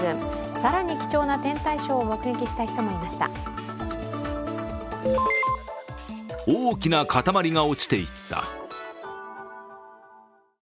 更に貴重な天体ショーを目撃した人もいました。